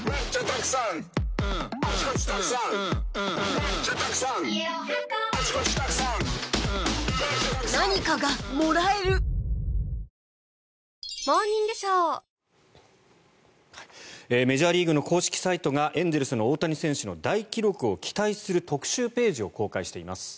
いいじゃないだってメジャーリーグの公式サイトがエンゼルスの大谷選手の大記録を期待する特集ページを公開しています。